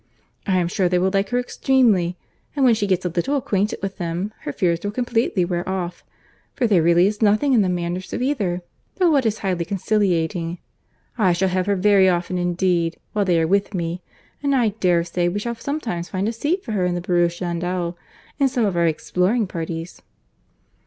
I am sure they will like her extremely; and when she gets a little acquainted with them, her fears will completely wear off, for there really is nothing in the manners of either but what is highly conciliating.—I shall have her very often indeed while they are with me, and I dare say we shall sometimes find a seat for her in the barouche landau in some of our exploring parties."